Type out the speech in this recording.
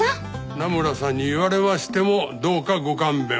名村さんに言われましてもどうかご勘弁を。